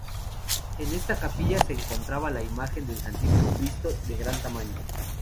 En esta capilla se encontraba la imagen del Santísimo Cristo, de gran tamaño.